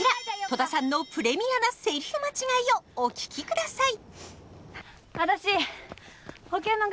戸田さんのプレミアなセリフ間違いをお聞きください。